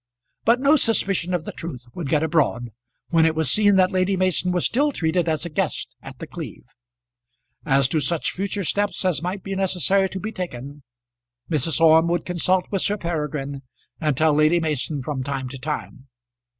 But no suspicion of the truth would get abroad when it was seen that Lady Mason was still treated as a guest at The Cleeve. As to such future steps as might be necessary to be taken, Mrs. Orme would consult with Sir Peregrine, and tell Lady Mason from time to time.